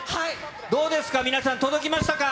どうですか、皆さん、届きましたか？